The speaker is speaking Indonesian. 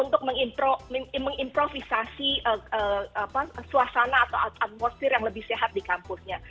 untuk mengimprovisasi suasana atau atmosfer yang lebih sehat di kampusnya